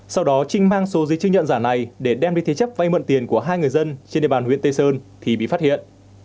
sau đó trinh mang số giấy chứng nhận giả này để đem đi thế chấp vay mượn tiền của hai người dân trên địa bàn huyện tây sơn thì bị phát hiện